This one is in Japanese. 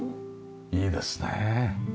いいですねえ。